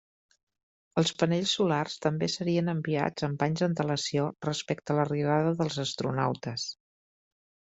Els panells solars també serien enviats amb anys d'antelació respecte a l'arribada dels astronautes.